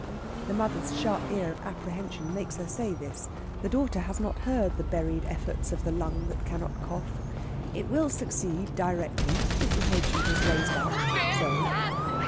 The mother's sharp ear of apprehension makes her say this; the daughter has not heard the buried efforts of the lung that cannot cough. It will succeed directly, if the patient is raised up, so.